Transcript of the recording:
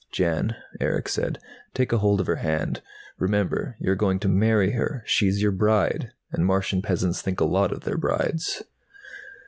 "Jan," Erick said. "Take hold of her hand! Remember, you're going to marry her; she's your bride. And Martian peasants think a lot of their brides."